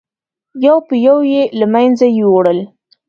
یو په یو یې له منځه یووړل.